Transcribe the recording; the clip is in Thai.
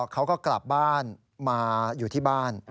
เขาก็กลับบ้านมาอยู่ที่บ้าน